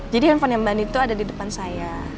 jadi handphone mbak andin tuh ada di depan saya